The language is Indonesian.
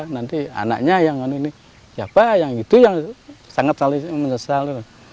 nanti anaknya yang apa yang itu yang sangat menyesal